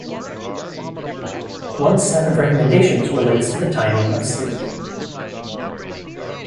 One set of recommendations relates to the timing of sleep.